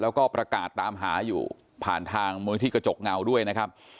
แล้วก็ประกาศตามหาอยู่ผ่านทางมูลนิธิกระจกเงาด้วยนะครับ